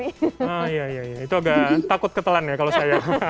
iya itu agak takut ketelan ya kalau saya